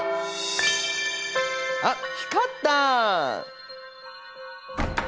あっ光った！